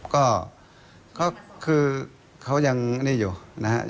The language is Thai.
ก็คือเขายังนี่อยู่นะครับ